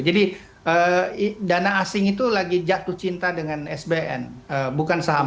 jadi dana asing itu lagi jatuh cinta dengan sbn bukan saham